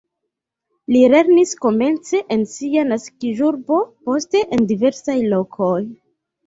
Li lernis komence en sia naskiĝurbo, poste en diversaj lokoj.